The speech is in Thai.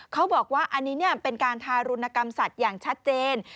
เขาบอกว่าอันนี้เป็นการทารุณกรรมสัตว์อย่างชัดเจน